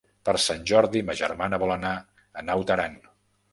Per Sant Jordi ma germana vol anar a Naut Aran.